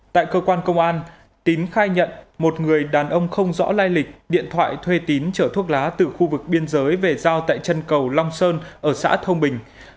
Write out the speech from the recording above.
tại cơ quan công an tín khai nhận một người đàn ông không rõ lai lịch điện thoại thuê tín chở thuốc lá từ khu vực biên giới về giao tại chân cầu long sơn ở xã thông bình